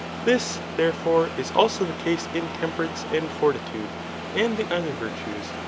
This, therefore, is also the case ia temperance and fortitude, and the other virtues.